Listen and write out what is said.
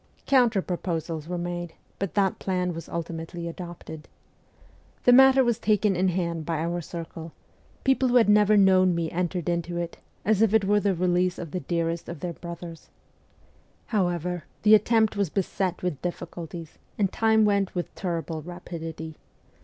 Counter proposals were made, but that plan was ultimately adopted. The matter was taken in hand by our circle ; people who never had known me entered into it, as if it were the release of the dearest of their brothers. How T ever, the attempt was beset with diffi culties, and time went with terrible rapidity.